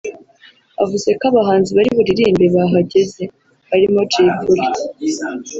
avuze ko abahanzi bari buririmbe bahageze ; barimo Jay Polly